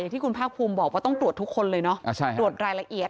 ที่คุณภาคภูมิบอกว่าต้องตรวจทุกคนเลยเนาะตรวจรายละเอียด